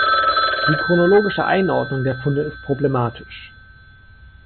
Die chronologische Einordnung der Funde ist problematisch.